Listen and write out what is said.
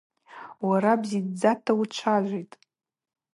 Уара бзидздзата учважвитӏ.